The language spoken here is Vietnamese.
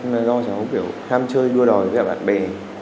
chắc là do cháu kiểu tham chơi đua đòi với bạn bè